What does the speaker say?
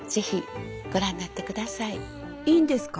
いいんですか？